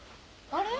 あれ？